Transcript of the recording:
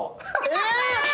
えっ！？